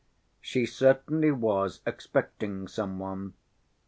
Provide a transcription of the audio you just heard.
She certainly was expecting some one.